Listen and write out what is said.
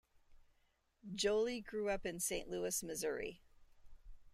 Joli grew up in Saint Louis, Missouri.